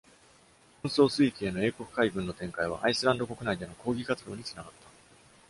紛争水域への英国海軍の展開はアイスランド国内での抗議活動につながった。